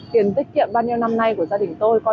tiền tiết kiệm bao nhiêu năm nay của gia đình tôi